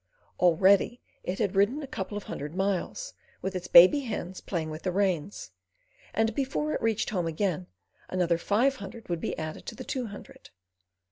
Already it had ridden a couple of hundred miles, with its baby hands playing with the reins, and before it reached home again another five hundred would be added to the two hundred.